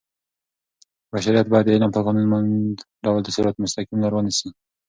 بشریت باید د علم په قانونمند ډول د صراط المستقیم لار ونیسي.